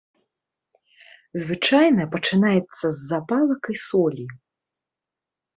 Звычайна пачынаецца з запалак і солі.